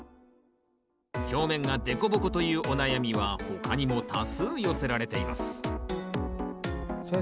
表面がデコボコというお悩みは他にも多数寄せられています先生